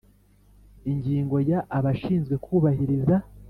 Ingingo ya abashinzwe kubahiriza